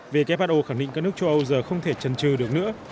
who khẳng định các nước châu âu giờ không thể trần trừ được nữa